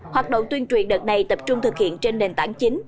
hoạt động tuyên truyền đợt này tập trung thực hiện trên nền tảng chính